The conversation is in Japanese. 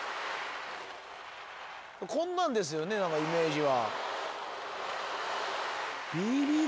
こんなんですよねイメージは。